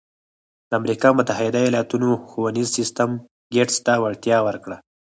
د امریکا متحده ایالتونو ښوونیز سیستم ګېټس ته وړتیا ورکړه.